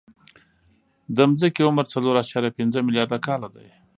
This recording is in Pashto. د ځمکې عمر څلور اعشاریه پنځه ملیارده کاله دی.